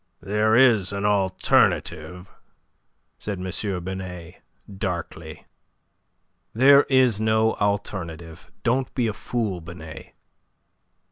"There is an alternative," said M. Binet, darkly. "There is no alternative. Don't be a fool, Binet."